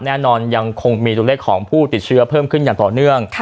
ยังคงมีตัวเลขของผู้ติดเชื้อเพิ่มขึ้นอย่างต่อเนื่อง